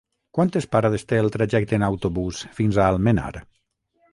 Quantes parades té el trajecte en autobús fins a Almenar?